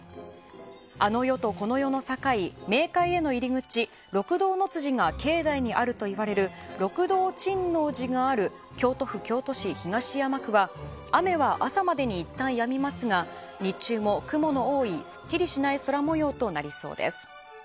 あの世とこの世の境冥界への入り口六道の辻が境内にあるといわれる六堂珍皇寺がある京都府京都市東山区は雨は朝までにいったんやみますが日中も雲の多いすっきりしない空模様となりそうです。